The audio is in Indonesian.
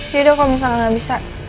kalau misalnya nggak bisa